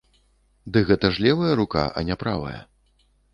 Ды гэта ж левая рука, а не правая.